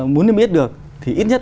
muốn nên biết được thì ít nhất